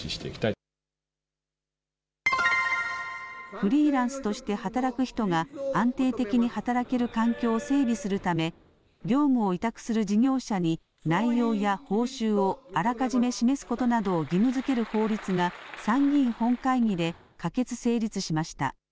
フリーランスとして働く人が安定的に働ける環境を整備するため業務を委託する事業者に内容や報酬をあらかじめ示すことなどを義務づける法律が参議院本会議で可決・成立しました。